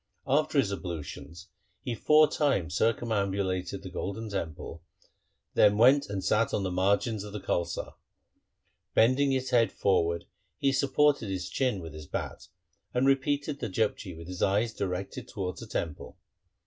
After his ablutions he four times circumambulated the Golden Temple, and then went and sat on the margin of the Kaulsar. Bending his head forward he supported his chin with his bat, and repeated the Japji with his eyes directed towards the Temple.